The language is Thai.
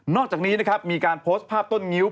อกจากนี้นะครับมีการโพสต์ภาพต้นงิ้ว